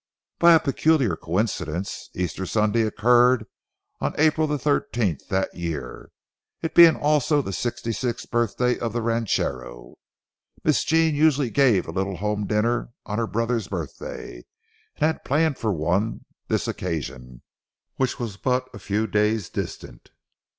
By a peculiar coincidence, Easter Sunday occurred on April the 13th that year, it being also the sixty sixth birthday of the ranchero. Miss Jean usually gave a little home dinner on her brother's birthday, and had planned one for this occasion, which was but a few days distant.